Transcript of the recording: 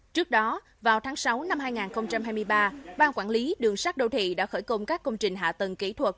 trước đó vào tháng sáu năm hai nghìn hai mươi ba bang quản lý đường sát đô thị đã khởi công các công trình hạ tầng kỹ thuật